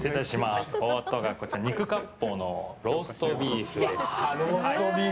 肉割烹のローストビーフです。